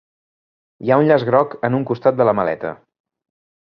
Hi ha un llaç groc en un costat de la maleta.